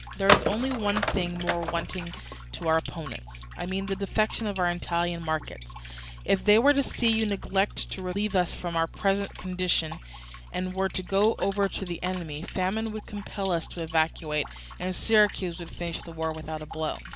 There is only one thing more wanting to our opponents, I mean the defection of our Italian markets. If they were to see you neglect to relieve us from our present condition, and were to go over to the enemy, famine would compel us to evacuate, and Syracuse would finish the war without a blow.